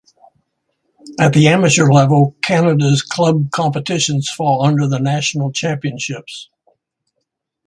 At the amateur level, Canada's club competitions fall under the National Championships.